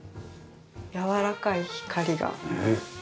やわらかい光が。ねえ。